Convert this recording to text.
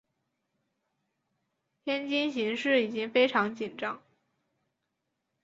天津形势已经非常紧张。